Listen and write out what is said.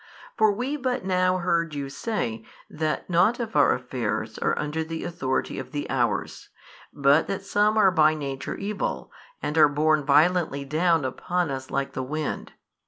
For we but now heard you say, that nought of our affairs are under the authority of the hours, but that some are by nature evil, and are borne violently down upon us like the wind.